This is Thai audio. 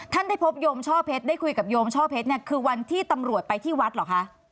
ได้พบโยมช่อเพชรได้คุยกับโยมช่อเพชรเนี่ยคือวันที่ตำรวจไปที่วัดเหรอคะ